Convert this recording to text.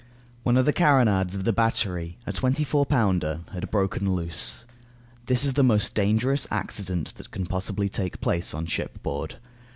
One of the carronades of the battery, a twenty four pounder, had broken loose. This is the most dangerous accident that can possibly take place on shipboard.